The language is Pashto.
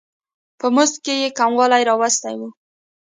په مزد کې یې کموالی راوستی و.